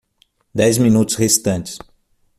Dez minutos restantes